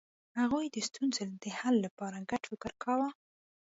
هغوی د ستونزو د حل لپاره ګډ فکر کاوه.